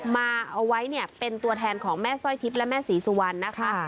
มาเอาไว้เนี่ยเป็นตัวแทนของแม่สร้อยทิพย์และแม่ศรีสุวรรณนะคะ